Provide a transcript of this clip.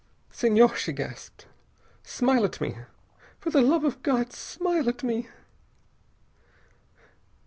"Senhor!" she gasped. "Smile at me! For the love of God, smile at me!"